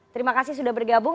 terima kasih sudah bergabung